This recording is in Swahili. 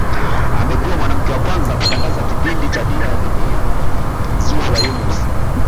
Amekuwa mwanamke wa kwanza kutangaza kipindi cha Dira ya Dunia Zuhura Yunus